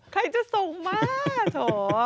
ใครจะส่งมาโถ